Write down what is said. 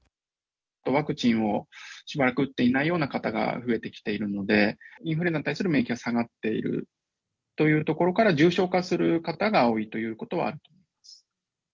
ワクチンをしばらく打っていないような方が増えてきているので、インフルエンザに対する免疫が下がっているというところから、重症化する方が多いということはあります。